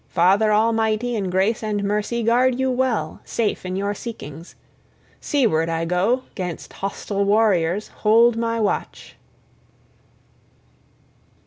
Father Almighty in grace and mercy guard you well, safe in your seekings. Seaward I go, 'gainst hostile warriors hold my watch."